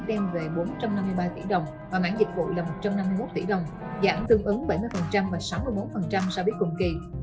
đem về bốn trăm năm mươi ba tỷ đồng và mảng dịch vụ là một trăm năm mươi một tỷ đồng giảm tương ứng bảy mươi và sáu mươi bốn so với cùng kỳ